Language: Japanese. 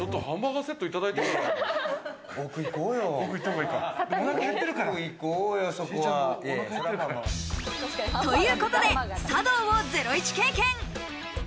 奥、行こうよ。ということで茶道をゼロイチ経験。